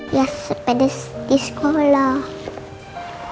ia sepeda di sekolah